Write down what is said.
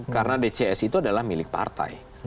karena dcs itu adalah milik partai